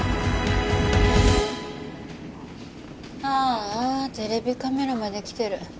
ああテレビカメラまで来てる。